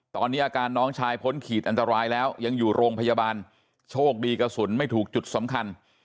ตอนนี้อาการน้องชายพ้นขีดอันตรายแล้วยังอยู่โรงพยาบาลโชคดีกระสุนไม่ถูกจุดสำคัญ